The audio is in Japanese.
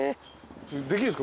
できるんすか？